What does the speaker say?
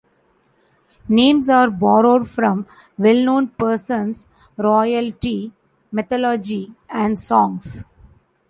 Names are borrowed from well-known persons, royalty, mythology, and songs.